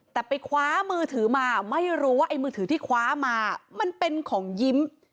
แต่ไปคว้ามือถือมาไม่รู้ว่าไอ้มือถือที่คว้ามามันเป็นของยิ้ม